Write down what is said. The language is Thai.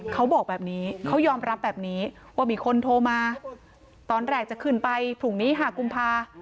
เขายอมรับแบบนี้ว่ามีคนโทรมาตอนแรกจะขึ้นไปถุงนี้ฮะกุมภาพันธ์